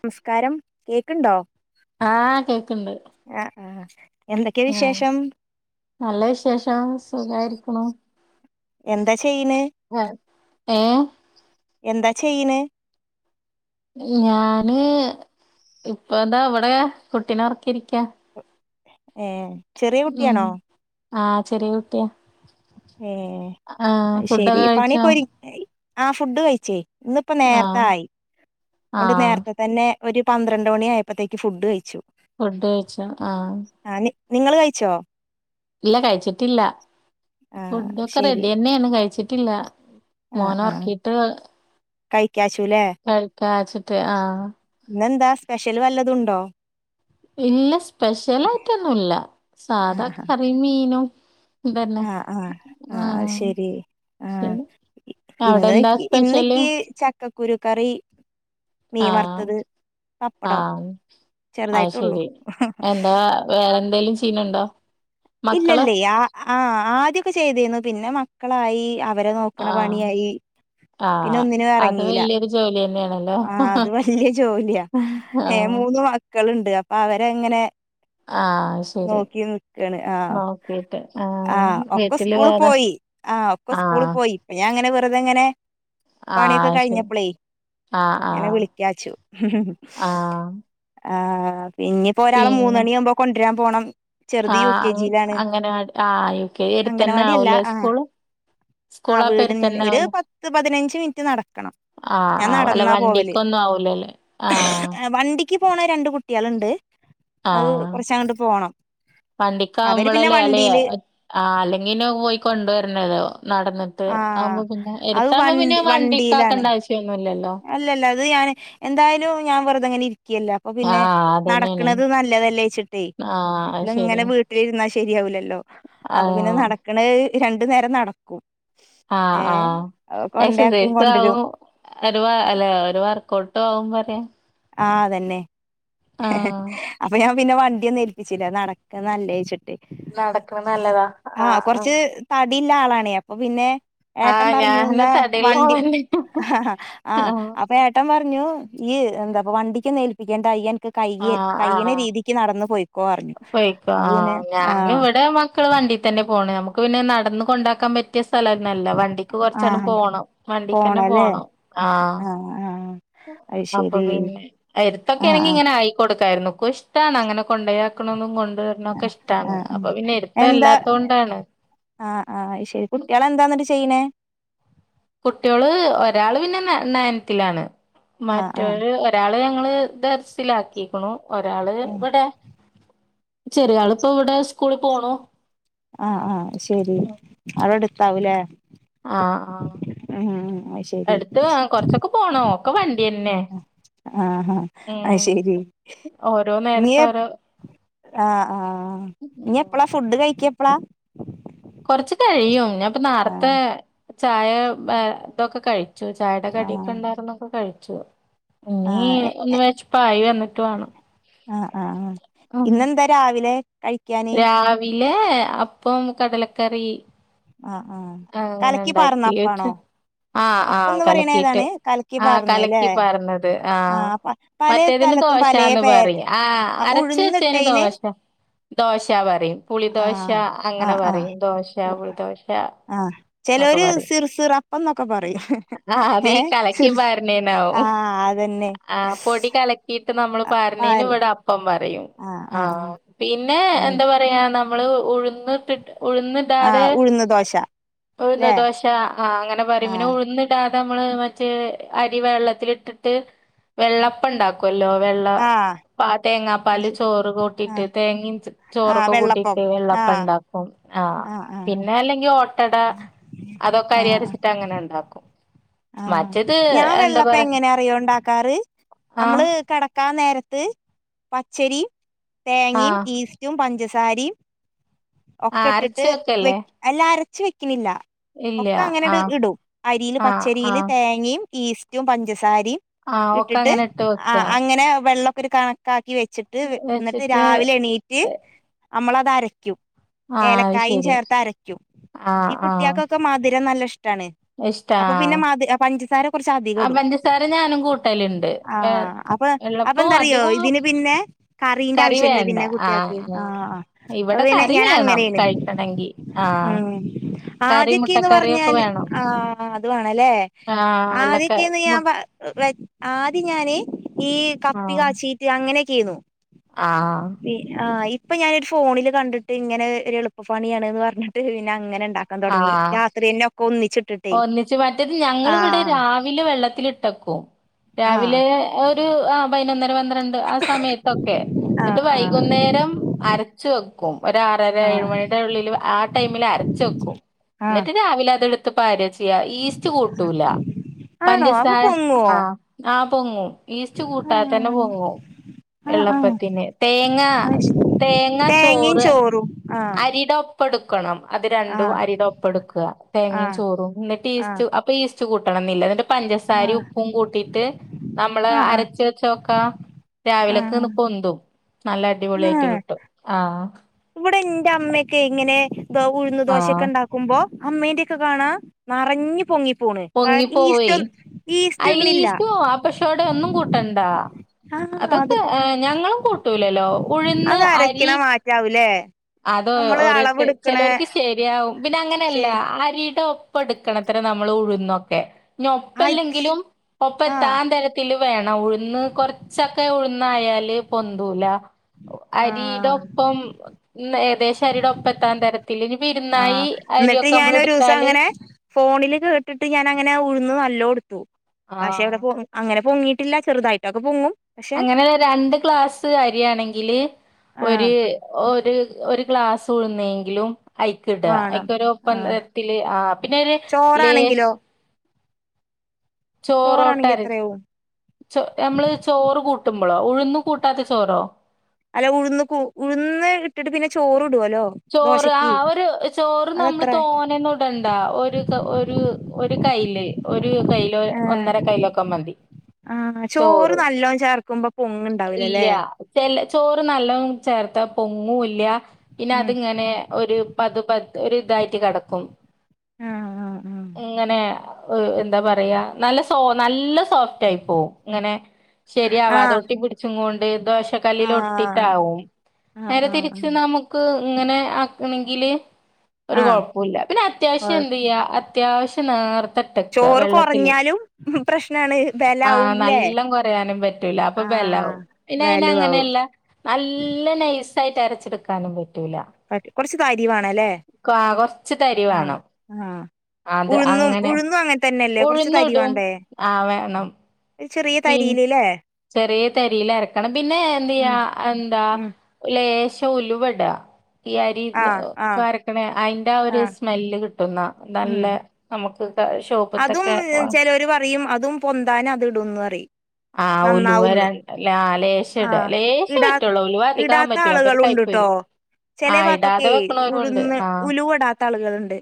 നമസ്കാരം കേക്കുണ്ടോ? ആ കേക്കണ്ട്. ആഹ് എന്തൊക്കെയാ ആ വിശേഷം നല്ല വിശേഷം സുഖായിരിക്കണു. എന്താ ചെയ്യണ്. ഏ എന്താ ചെയ്യണ്? ഞാന് ഇപ്പ എന്താ ഇവിടെ കുട്ടിനെ ഉറക്കി ഇരിക്കാ. ഏ ചെറിയ കുട്ടിയാണോ? ആ ചെറിയ കുട്ടിയാ. ഏ ആഹ് ശരി ഫുഡൊക്കെ കഴിച്ചോ പണിയൊക്കെ ഒരി ആ ഫുഡ് കഴിച്ചേ ഇന്നിപ്പ നേരത്തെ ആഹ് ആയി അതൊണ്ട് ആഹ് നേരത്തെ തന്നെ ഒരു പന്ത്രണ്ട് മണി ആയപ്പോഴത്തേക്ക് ഫുഡ് കഴിച്ചു. ഫുഡ് കഴിച്ചാ ആ ആഹ് നിങ്ങള് കഴിച്ചോ? ഇല്ല കഴിച്ചിട്ടില്ല. ആഹ് ഫുഡൊക്കെ ശെരി റെഡി തന്നെയാണ് കഴിച്ചിട്ടില്ല. മോന് ഉറക്കീട്ട്. ക്കാഷൂലെ ആഹ് ഇന്നെന്താ സ്പെഷ്യല് വല്ലതൂണ്ടോ? ഇല്ല. സ്പെഷ്യൽ ആയിട്ടൊന്നുംല്ല സാധാ കറീം മീനും. ഇതന്നെ ആ ആ ആ അ ആഹ് ശരി ആ ശരി അവടെ എന്താ ഇന്ന്ക്ക് സ്പെഷ്യല് ഇന്ന്ൻക്കി ചക്കക്കുരു കറി മീൻ വർത്തത്. ആ അതുശരി എന്താ വേറെ എന്തെങ്കിലും ചെയ്യണുണ്ടോ? മക്കള് ഇല്ലല്ലെ. ആ ആ ആദ്യക്കെ ചെയ്തിരുന്നു പിന്നെ മക്കളായി അവരെ നോക്കണ ആഹ് പണിയായി. പിന്നെ ആഹ് ഒന്നിനും അത് എറങ്ങീല വല്യൊരു ജോലി തന്നെയാണല്ലോ. ആ അത് വല്ല്യ ജോലിയാ ഏ ആഹ് മൂന്ന് മക്കള്ണ്ട് അപ്പൊ അവരെങ്ങനെ ആ ശരി. ന്ന് ആ നോക്കീട്ട് ആ ആഹ് ഒക്കെ വീട്ടില് സ്‌കൂളി വേറെ പോയി ആ ഒക്കെ സ്‌കൂളി ആഹ് പോയി ഇപ്പ ഞാനങ്ങനെ വെറുതെങ്ങനെ പണിയൊക്കെ ആഹ് ശരി. കഴിഞ്ഞപ്പളേയ് ആഹ് ഇങ്ങനെ ആഹ് വിളിക്കാച്ചു ആഹ് ആ പിന്നയിപ്പോ ഒരാളെ പിന്നെ മൂന്നണി ആകുമ്പോ കൊണ്ട് രാൻ പോണം ചെറ്ത് യു ആഹ് കെ അങ് ജിയിലാണ് അങ്ങനവാടി ആഹ് യു കെ എടുത്തന്നെ അംഗനവാടി അല്ല ആവൂലേ ആ സ്കൂള്? ആ സ്കൂള് അപ്പ വീടിന്റെ എടുത്തന്നെ ഒരു ആവൂലേ? പത്ത് പതിനഞ്ച് മിനിറ്റ് നടക്കണം ആഹ് ഞാൻ ആഹ് അല്ല നടന്നാ പോവല് വണ്ടിക്കൊന്നും ആവൂലല്ലേ? ആഹ് വണ്ടി ഇക്ക് പോണ രണ്ട് കുട്ടികളുണ്ട് അത് കുറച്ച് ആണ്ട് പോണം വണ്ടിക്ക്‌ അവര് പിന്നെ ആവുമ്പോളല്ലേ അല്ലെ വണ്ടിയില് ആ അല്ലെങ്കി പിന്നെ പോയി കൊണ്ടുവരണല്ലോ നടന്നിട്ട് ആ ആവുമ്പോ പിന്നെ അത് എടുത്താകുമ്പോ പിന്നെ വണ്ടി വണ്ടിക്ക്‌ വണ്ടിയിലാണ് ആക്കേണ്ട ആവശ്യംഒന്നും ഇല്ല അല്ലല്ല അത് ഞാൻ എന്തായാലും ഞാൻ വെറുതെങ്ങനെ ഇരി ക്യാല അപ്പൊ പിന്നെ ആഹ് അതന്നെയാണ് നടക്ക്‌ണത് നല്ലതല്ലേ ച്ചിട്ടേയ് ആഹ് അത് എപ്പളും ഇങ്ങനെ ശരിയാ വീട്ടിലിരുന്നാൽ ശരിയാവിലല്ലോ അപ്പൊ പിന്നെ ആഹ് നടക്ക്‌ണത് രണ്ട് നേരം നടക്കും ആ ഏ ആ കൊണ്ടാക്കും എക്സസൈസ് ആവും കൊണ്ടരും ഒര് അല്ലെ ഒരു വർകൗട്ട് ആവും പറയാ ആ തന്നെ ആഹ് അപ്പൊ ഞാൻ പിന്നെ വണ്ടിയൊന്നും ഏൽപ്പിച്ചില്ല നടക്കണത് നല്ലേച്ചിട്ട് നടക്കണ നല്ലതാ ആ ആഹ് ആഹ് കൊറച്ച് തടില്യ ആളാണേ അപ്പൊ പിന്നെ ഏട്ടൻ ആഹ് പറഞ്ഞുവന്ന ഞാന് തടിള്ള വണ്ടി ആളന്നെ ആ ആഹ് അപ്പൊ ഏട്ടൻ പറഞ്ഞു നൊ ഇയ്യ് എന്താ പോ വണ്ടിക്ക് ഒന്നും ഏൽപ്പിക്കേണ്ട ഇയ്യെന്നെ കയ്യ് ആഹ് കയ്യ്ണ ആഹ് രീതിക്ക് നടന്ന് പോയ്ക്കോ പറഞ്ഞു പോയിക്കോ അപ്പ പിന്നെ ആഹ് ആ ഞാന് ഇവിടെ മക്കള് വണ്ടി തന്നെ പോണം നമുക്ക് പിന്നെ നടന്ന് കൊണ്ടാക്കാൻ പറ്റും പറ്റിയ സ്ഥലം ഒന്നൊല്ല വണ്ടിക്ക് കൊറച്ച് ആണ്ട് ആഹ് പോണം വണ്ടിക്ക് തന്നെ പോണല്ലേ പോണം ആ ആഹ് ആഹ് അത് അപ്പൊ ശരി പിന്നെ എട്ത്തൊക്കെ ആഹ് ആണെങ്കി ആഹ് ഇങ്ങനെ ആയിക്കോട്ടെ കായിരുന്നു ഇഷ്ടാണ് അങ്ങനെ കൊണ്ടയാക്കണോനും കൊണ്ട് കൊണ്ട് വര്നൊക്കെ ഇഷ്ടാണ് ആഹ് അപ്പൊ പിന്നെ എട്ത് അല്ലാത്തോണ്ടാണ് ആ ആ ആയിശരി കുട്ടികള് എന്താന്നിട്ട് ചെയ്യ്ണെ കുട്ടികള് ഒരാള് പിന്നെ നയൻത്തിലാണ് ആഹ് ആഹ് മറ്റൊര് ഒരാള് ഞങ്ങള് ദർസിലാക്കിക്ണു ഒരാള് ആഹ് ഇവിടെ ചെറിയ ആള് ഇപ്പൊ ഇവിടെ സ്കൂളിൽ പോണു ആ ആ ശരി അവിടെ അടുത്താവുംലേ ആ ആ അത് ശരി അട്ത്ത് വ കൊറച്ചൊക്കെ പോണം ഒക്കെ വണ്ടിയന്നെ ആ ആ അയ് ശരി ഓരോ നീ നേരത്തെ എപ്പ് ഓരോ ആ ആ ഇനി എപ്പളാ ഫുഡ് കഴിക്ക എപ്പളാ കൊറച്ച് കഴിയും ഞാപ്പ ആഹ് നേർത്തെ ചായ ഇതൊക്കെ കഴി ചായയുടെ കടിയൊക്കെ ആഹ് ഉണ്ടായിരുന്നൊക്കെ കഴിച്ചു ഇനി ആഹ് ഒന്ന് വെച്ച് ഇപായി വന്നി ട്ട് വാണം ആ ആ ഇന്നെന്താ രാവിലെ കഴിക്കാന് ഏ അപ്പം കടലക്കറി ആഹ് ആഹ് ആ അങ്ങനെ കലക്കി പാർന്ന ഉണ്ടാക്കീട്ട് അപ്പാണോ ആ ആ അപ്പംന്ന് പറയണ കലക്കിയിട്ട് ഏതാണ് കലക്കി ആ പാർന്നത് ല്ലേ കലക്കി പാർന്നത് ആ ആഹ് പ പലേ മറ്റേതിന് സ്ഥലത്തും പലേ ദോശാന്ന് പേര് പറയും ആ ആഹ് അരച്ച വെച്ചേന് ഉഴുന്നിട്ടേന് ദോശ ദോശ പറയും പുളി ദോശ ആഹ് അങ്ങനെ ആഹ് ആഹ് പറയും ദോശ പുളിദോശ ആഹ് എന്നൊക്കെ ചെലോര് പറയും സിർസിറപ്പം ന്നൊക്കെ പറയും ഏ സിർ ങ്ങിനാവും ആഹ് അതന്നെ ആ പൊടി കലക്കിയിട്ട് നമ്മൾ പാര്ണീന് ആഹ് ഇവിടെ അപ്പം പറയും ആ ആഹ് പി പിന്നെ ആഹ് എന്താ പറയാ നമ്മള് ഉഴുന്ന് ഇട്ടിട്ട് ആ ഉഴുന്ന് ദോശ ല്ലേ ദോശ അങ്ങനെ പറിം പിന്നെ ആഹ് ഉഴുന്ന് ഇടാ നമ്മള് മറ്റേ അരി വെള്ളത്തില് ഇട്ടിട്ട് വെള്ളപ്പം ണ്ടാക്കും ല്ലോ വെള്ള ആഹ് പാ അത് തേങ്ങാപ്പാൽ ശരി ചോറ് കൂട്ടിട്ട് ആഹ് തേങ്ങയും ച് ആഹ് ചോറൊക്കെ വെള്ളപ്പം കൂട്ടിയിട്ട് വെള്ളപ്പം ആഹ് ഉണ്ടാക്കും ആഹ് പിന്നെ അല്ലെങ്കി ഓട്ടട അതൊക്കെ അരി ആഹ് അരച്ചിട്ട് അങ്ങനെ ഉണ്ടാക്കും. ആഹ് മറ്റേത് ഞാൻ എന്താ വെള്ളപ്പം പറയാ എങ്ങനെയാ അറിയോ ഉണ്ടാക്കാറ് ആ നമ്മള് കിടക്കാൻ നേര ത്ത് പച്ചരി ആ തേങ്ങയും ഈസ്റ്റും പഞ്ചസാരിയും, ആ ഒക്കെ അരച്ച് ഇട്ടിട്ട് വെക്കല്ലേ വെക്ക്‌ അല്ല അരച്ച് വെക്ക്ണില്ല ഇല്ല ഒക്കെ അങ്ങനെ ആ ഇടും അരീല് ആ ആ പച്ചരിയില് തേങ്ങയും ഈസ്റ്റും പഞ്ച സാരി ആ ഒക്കെ ഇട്ടിട്ട് അങ്ങനെ ഇട്ട് വെക്കുക അങ്ങനെ വെള്ളൊക്കെ ഒരു കണക്കാക്കി വെ വച്ചിട്ട് എന്നിട്ട് വെച്ചിട്ട് രാവിലെ എണീറ്റ് നമ്മള് അത് അരക്കും. ആ അത് ഏലക്കായും ശരി ചേർത്ത് അരക്കും ആ ഈ ആ കുട്ടിയക്കൊക്കെ മധുരം നല്ല ഇഷ്ടാണ്. ഇഷ്ടാ അപ്പൊ പിന്നെ മതി പഞ്ചസാര കുറച്ച് അധികം ആ ഇടും. പഞ്ചസാര ഞാനും കൂട്ടലുണ്ട് വെ ആഹ് അപ്പൊ അ ഇപ്പം വെള്ളപ്പോ എന്താന്നറിയോ അധികം ഇതിന് പിന്നെ കറീന്റെ കറി ആവശ്യമില്ല വേണ്ട പിന്നെ ആ കുട്ടികൾക്ക് ആ ആഹ് അത് ഇവിടെ പിന്നെ കറി ഇങ്ങനെ വേണം കഴിക്കണെങ്കി ആഹ് ആദ്യക്കെയെന്ന് പറഞ്ഞാല് ആഹ് ആഹ് അത് വേണമല്ലേ ആ വെള്ളക്ക ആദ്യൊക്കെന്ന് മു ഞാൻ പ ആദ്യം ഞാന് [inaudible] ഈ കപ്പി ആ കാച്ചീറ്റ് അങ്ങനെയൊക്കെയാരുന്നു ആ ആഹ് ഈ ഇപ്പൊ ഞാന് ഒരു ഫോണിൽ കണ്ടിട്ട് ഇങ്ങനെ ഒരു എളുപ്പപ്പണിയാണ്ന്ന് പറഞ്ഞിട്ട് പിന്നെ അങ്ങനെ ഉ ണ്ടാക്കാൻ തുടങ്ങി രാത്രി തന്നെ ഒക്കെ ഒന്നിച്ച് ഒന്നിച്ചു മറ്റേത് ഞങ്ങൾ ഇവിടെ രാവിലെ വെള്ളത്തിലിട്ട് വെക്കും. ആഹ് രാവിലെ ഒരു ആഹ് പതിനൊന്നര പന്ത്രണ്ട് ആ സമയത്തൊക്കെ. എന്നിട്ട് ആഹ് വൈകുന്നേരം അരച്ച് വെക്കും ഒര് ആറര ആഹ് ഏഴ് ആഹ് മണിയുടെ ഉള്ളിൽ ആ ടൈമിൽ അര അരച്ച് വെയ്ക്കും ആഹ് എന്നിട്ട് രാവിലെ അതെടു [unintelligible] ചെയ്യുക ഈസ്റ്റ് കൂട്ടൂല ആണോ പഞ്ചസാ അപ്പൊ പൊങ്ങോ ആഹ് ആഹ് പൊങ്ങും ഈസ്റ്റ് കൂട്ടാതെ ആഹ് തന്നെ പൊങ്ങും ആഹ് ആഹ് വെള്ളേപ്പത്തിന് തേങ്ങ അത് ശരി തേങ്ങ തേങ്ങയും ചോറ് ചോറും ആഹ് അരിയുടെ ഒപ്പം എടു ക്കണം അത് രണ്ടും ആഹ് അരിയുടെ ഒപ്പം എടുക്കുക തേങ്ങയും ആഹ് ചോറും എന്നിട്ട് ഈസ്റ്റ് ആഹ് അപ്പം ഈ സ്റ്റ് കൂട്ടണം എന്നില്ല എന്നിട്ട് പഞ്ചസാരയും ഉപ്പും കൂട്ടീയിട്ട് നമ്മള് ആഹ് ആഹ് അരച്ച് വെച്ചോക്കാം ആഹ് രാവിലേക്ക്‌ ഒന്ന് ആഹ് പൊന്തും നല്ല അടിപൊളിയായിട്ട് ആഹ് കിട്ടും ആഹ് ഇവിടെ ഇന്റെ അമ്മയൊക്കെ ഇങ്ങനെ ഉഴുന്ന് ആഹ് ദോശയൊക്കെ ഉണ്ടാക്കുമ്പോ അമ്മേന്റെയൊക്കെ കാണാം നിറഞ്ഞ് പൊങ്ങി പൊങ്ങിപ്പോവേ അയില് ഇടുന്നില്ല ഈസ്റ്റും [unintelligible] ഒന്നും കൂട്ടണ്ടാ ആഹ് അത് അതൊക്കെ ഞങ്ങളും കൂ ഇല്ലല്ലോ ഉഴുന്ന് അത് അരി അരക്കണ മാറ്റാവൂലേ [inaudible] അത് നമ്മള് ഓരോരുത്തര് അളവെടുക്കണ ചിലവർക്ക് ശരിയാവും ഇവിടെ അങ്ങനെയല്ല ശരി അരിടെ ഒ ഒപ്പം എടുക്കണത്ര നമ്മള് ഉഴുന്നൊക്കെ ഇനി ഒപ്പല്ലെങ്കിലും ഒപ്പം ആഹ് എത്താൻ തരത്തില് വേ ണം ഉഴുന്ന് കൊറച്ചൊക്കെ ഉഴുന്നായാല് പൊന്തൂല അരിയുടെ ആഹ് ഒപ്പം നെ അത് [unintelligible] അരിയുടെ ഒപ്പെത്താൻ തരത്തില് ഇനി ഇരുന്നാഴി ആഹ് എന്നിട്ട് അരിയൊക്കെ നമ്മള് ഞാനൊരൂസം എടുത്താല് അങ്ങനെ ഫോണില് കേട്ടിട്ട് ഞാൻ അങ്ങനെ ഉഴുന്ന് നല്ലോ എടുത്തു പക്ഷെ ഇവിടെ ആഹ് പൊ അങ്ങനെ പൊങ്ങിയിട്ടില്ല ചെറുതായിട്ടൊക്കെ പൊങ്ങും പക്ഷെ അങ്ങനെ രണ്ട് ഗ്ലാസ്സ് അരിയാണെങ്കില് ആഹ് ഒര് ഒ ഒരു ഒരു ഗ്ലാസ് ഉഴുന്നെങ്കിലും അയ്ക്ക്‌ ഇടുക വാണം അയ്ക്ക്‌ ഒര് ഒപ്പം ആഹ് തരത്തില് ആഹ് പിന്നേര് ലേശ് ചോറാണെങ്കിലോ ചോറാണെങ്കി ചോറോട്ടാര എത്രയാവും ച്ച് നമ്മള് ചോറ് കൂട്ടുമ്പൊളോ ഉഴുന്നു കൂട്ടാത്ത ചോറോ അല്ല ഉഴുന്ന് കു ഉഴുന്ന് ഇട്ടിട്ട് പിന്നെ ചോറ് ചോറ് ആഹ് ഒരു ചോറ് നമ്മള് അതെത്ര തോനെ ഒന്നും ഇടണ്ട ഒരു ഒരു ഒരു കൈയില് ഒരു കൈയിലോ ആഹ് ഒന്നര കൈയിലോ ഒക്കെ മതി ആഹ് ചോറ് നല്ലോണം ചേർക്കുമ്പോ ഇല്ല പൊങ്ങുണ്ടാവൂലല്ലേ ചെല ചോറ് നല്ലോം ചേർത്ത പൊങ്ങൂ ഉം അതിങ്ങനെ ഒരു പത് പത് ഒരിതായിട്ട് കെട്ക്കും ആഹ് ഇങ്ങനെ എന്താ പറയാ നല്ല സോ നല്ല സോഫ് [unintelligible] ഇങ്ങനെ ആഹ് ശെരിയാവാതോട്ടിപിടിച്ചും കോണ്ട് ദോശക്കല്ലിൽ ആഹ് ആഹ് ഒട്ടിട്ടാവും ആഹ് നേരെ ആഹ് ആഹ് തിരിച്ച് നമു ഇങ്ങനെ ആക്കണെങ്കിൽ ഒരു ആഹ് കുഴപ്പുല്ല പിന്നെ അത്യാവശ്യം കൊഴ എന്തിയ്യ അ അത്യാവശ്യം നേർത്തെ ഇട്ടെക്ക ചോറ് വെള്ളത്തില് കുറഞ്ഞാലും പ്രശ്നാണ് ആ ബലാവും ല്ലേ നല്ലൊം കൊരയാനും പറ്റൂല അപ്പൊ ആഹ് [unintelligible] പിന്നെ വാല്യൂ ആവും അയിനങ്ങനല്ല നല്ല നൈസ് ായിട്ട് അരച്ചെടുക്കാനും പറ്റൂല പറ്റ് കുറച്ച് തരിവേണലേ കാ കൊറച്ച് തരി ആ വേണം ആഹ് അത് ഉഴുന്നും അങ്ങനെ ഉഴുന്നും അങ്ങൻ തന്നെല്ലേ കുറച്ചു ഉഴുന്നിടും തരിവാണ്ടേ ആ ചെറിയ തരീൽ ലേ ചെറ്യേ തരീല് അരക്കണം പിന്നെ ഉം എന്തിയ്യാ എന്താ ഉം ലേശം ഉലുവട ഈ അരി ആഹ് ആഹ് കരക്കണേ അയിന്റെ ആ ഒരു ആഹ് സ്മെല്ല് കിട്ട്ന്ന നല്ല ഉം നമുക്ക് അതും ഷോപ്പ്ത്തൊക്കെ ചെലോര് പറയും അതും പൊന്താനത് ഇടുംന്ന് പറയും ആഹ ഉലുവ നന്നാവുംന്ന് രണ്ട് ല ലേശട ആഹ് ലേശ പറ്റുള്ളൂ ഉലുവ അധികാവാൻ പറ്റൂല അപ്പൊരു ണ്ട് ട്ടോ ചെലേ ഭാത്തൊക്കെ വെക്കണോരുണ്ട് ഉഴ്ന്ന് ആ ഉലുവടാത്ത ആളുകള്ണ്ട്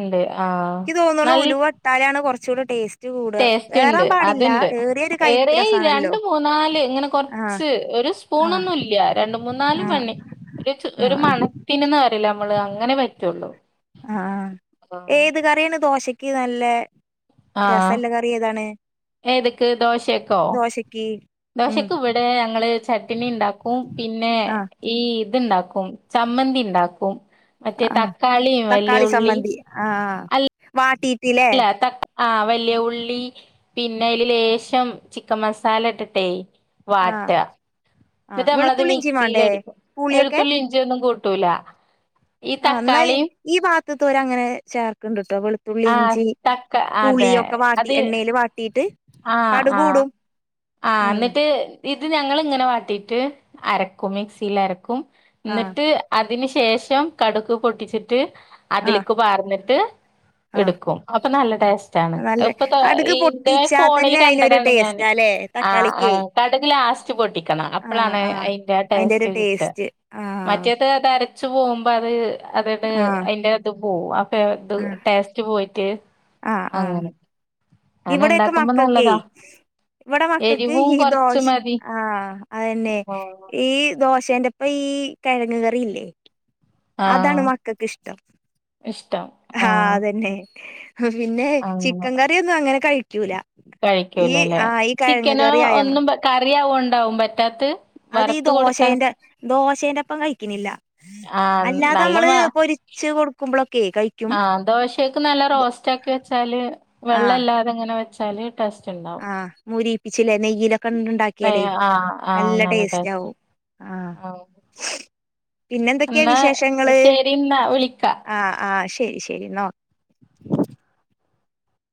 ഇണ്ട് ആ ഇക്ക് തോന്നണു നല്ല ഉലുവട്ടാലാണ് കുറച്ചുകൂടെ ടേസ്റ്റ് കൂടുക ടേസ്റ്റ് ഏറാൻ ഇണ്ട് പാടില്ല അത്ണ്ട് ഏറിയൊരു ഏറെ കയ്പ്പ് രസാണല്ലോ രണ്ട് മൂന്നാല് ഇങ്ങനെ ആഹ് കൊറച്ച് ഒരു ആഹ് സ്പൂണൊന്നും ഇല്ല രണ്ട മൂന്നാല് ആഹ് മണി ഒരു ച ആഹ് ഒരു ആഹ് മണത്തിന് ന്ന് പറീല്ലെ നമ്മള് അങ്ങനെ പറ്റുള്ളൂ ആ ആഹ് ഏത് കറിയാണ് ദോശക്ക് നല്ല രസംല്ല കറി ഏതാണ് ഏത്ക്ക് ദോശേക്കോ ദോശക്ക് ഉം ദോശക്ക് ഇവിടെ ഞങ്ങള് ചട്ട്ണി ഇണ്ടാക്കും പിന്നെ ആഹ് ഈ ഇത്ണ്ടാ ക്കും ചമ്മന്തി ഇണ്ടാക്കും മറ്റേ തക്കാളിം വലിയൊള്ളി ആ വാട്ടി ല്ലേ ത ആ വല്യയ ഉള്ളി പിന്നെ അയിൽ ലേശം ചിക്കൻ മസാല ഇട്ട്ട്ടെ വാട്ട ആഹ് ആഹ് ന്നിട്ട് നമ്മളത് വെളുത്തുള്ളി ഇഞ്ചി മിക്സീൽ വേണ്ടേ അടിക്കും പുളിയൊക്കെ എഴുത്തുള്ളി ഇഞ്ച്യൊന്നും കൂട്ടൂല ഈ ആ ന്നാ തക്കാളിയും ഈ ഭാഗത്ത്ത്തോര് അങ്ങനെ ചേർക്ക്ണ്ട്ട്ടോ വെളു തുള്ളി ആ ഇഞ്ചി തക്ക പുളിയൊക്കെ വാട്ടി എണ്ണേൽ വാട്ടിട്ട് ആ ആ ആ ഉം ന്നിട്ട് ഇത് ഞങ്ങള് ഇങ്ങനെ വാട്ടീട്ട് അരക്കും മിക്സീൽ അരക്കും ആഹ് ന്ന്ട്ട് അതിന് ഷ് ശേഷം കടുക് പൊട്ടിച്ചിട്ട് ആ അതിൽക്ക് പാർന്നിട്ട് ആഹ് ഇടുക്കും അപ്പൊ നല്ല ടേസ്റ്റ് ആണ് നല്ല അപ്പൊ തോ കടുക് ന്റെ പൊട്ടിച്ചാ ൽ തന്നെ അയിനൊരു കണ്ടതാണ് ഞാന് ടേസ്റ്റാല്ലേ ആ ആ തക്കാളിക്കേ കട്ക് ലാസ്റ്റ് പൊടിക്കണം ആഹ് അപ്പളാണ് ആഹ് അയിൻ്റെ ആ ടേ അയിന്റെ ഒരു ടേസ്റ്റ് കിട്ട ടേസ്റ്റ് ആഹ് മറ്റേതേ വച്ച് പോവ്മ്പോ അത് അതട് ആഹ് അതിന്റെ അത് പോവും അപ്പത് ആഹ് ടേസ്റ്റ് പോയിട്ട് അങ്ങനെ അങ്ങനെ ഇവിടെയൊക്കൊ ഇണ്ടാക്കുമ്പോ മക്കക്കെ നല്ലതാ ഇവടെ മക്കക്ക് എരിവും ഈ കൊറച്ച് ദോഷ മതി ആ അതന്നെ ഈ ദോ ദോശേൻ്റപ്പ ഈ കിഴങ്ങ് കറിയില്ലേ അതാണ് ആഹ് മക്കക്ക് ഇഷ്ട്ടം ഇഷ്ടം ഹാ ആഹ് അതന്നെ പിന്നെ അങ്ങനെ ചിക്കൻ കറിയൊന്നും അങ്ങനെ കയിക്കൂല കഴിക്കൂലല്ലേ ചിക്കനോ ആയ ഒന്നും കറിയാവോ ണ്ടാവും പറ്റാത്ത് അത് ഈ വറുത്ത് കൊടുത്താ ദോശേൻ്റെ ദോശേന്റെപ്പം കഴിക്കണില്ല ആഹ് അല്ലാതെ നമ്മള് പൊരിച്ച് കൊടുക്കുമ്പോഴൊ ആ ദോശക്ക് നല്ല റോസ്റ്റ ആക്കി വെച്ചാല് വെള്ളല്ലാതെങ്ങനെ വെച്ചാല് ടേസ്റ്റ് ഉണ്ടാവും ആ മൂരിപ്പിച്ചില്ലേ നെയ്യിലൊക്കെണ്ട ഉണ്ടാക്കിയല് നെയ്യ് ആഹ് ആഹ് നല്ല ടേസ്റ്റ് ആകും ആ ആഹ് പിന്നെന്തൊക്കെയാ എന്നാ വിശേഷങ്ങള് ശരി എന്നാ വിളിക്കാ ആ ആ ശരി ശരി എന്നാ